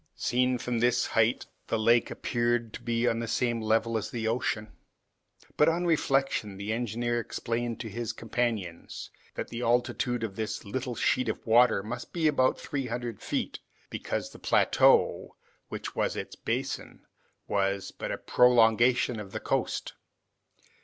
Seen from this height, the lake appeared to be on the same level as the ocean, but, on reflection, the engineer explained to his companions that the altitude of this little sheet of water must be about three hundred feet, because the plateau, which was its basin, was but a prolongation of the coast.